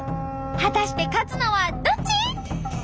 果たして勝つのはどっち！？